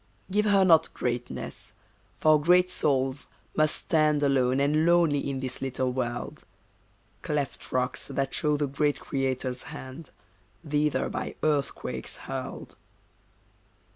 Give her not greatness. For great souls must stand Alone and lonely in this little world: Cleft rocks that show the great Creator's hand, Thither by earthquakes hurled.